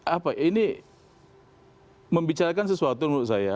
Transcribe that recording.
apa ini membicarakan sesuatu menurut saya